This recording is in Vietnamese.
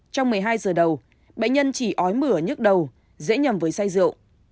trong một mươi hai giờ đầu bệnh nhân chỉ ói mửa nhức đầu dễ nhầm với say rượu